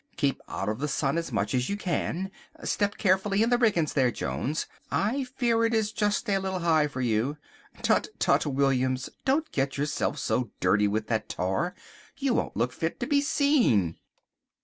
Keep out of the sun as much as you can. Step carefully in the rigging there, Jones; I fear it's just a little high for you. Tut, tut, Williams, don't get yourself so dirty with that tar, you won't look fit to be seen."